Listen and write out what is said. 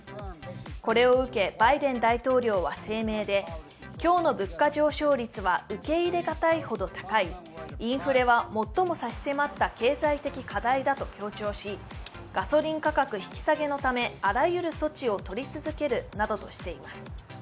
これを受け、バイデン大統領は声明で今日の物価上昇率は受け入れ難いほど高い、インフレは最も差し迫った経済的課題だと強調しガソリン価格引き下げのためあらゆる措置をとり続けるなどとしています。